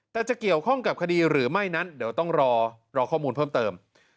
แต่จะเกี่ยวข้องกับคดีหรือไม่นั้นเดี๋ยวต้องรอข้อมูลเพิ่มเติม